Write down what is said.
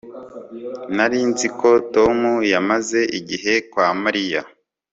Nari nzi ko Tom yamaze igihe kwa Mariya